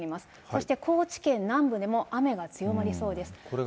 そして高知県南部でも雨が強まりそうです。